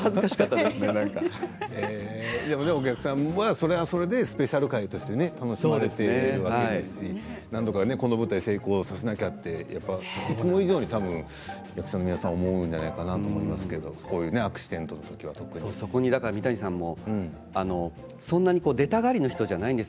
でもお客さんもそれはそれでスペシャル回として楽しまれたわけですしなんとかこの舞台を成功させなきゃと、いつも以上に役者の皆さん思うんじゃないかなと思いますけどそんなに三谷さんもそんなに出たがりの人じゃないんです。